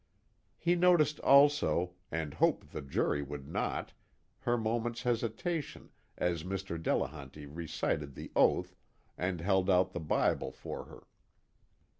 He noticed also, and hoped the jury would not, her moment's hesitation as Mr. Delehanty recited the oath and held out the Bible for her.